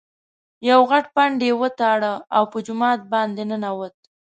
یو غټ پنډ یې وتاړه او په جومات باندې ننوت.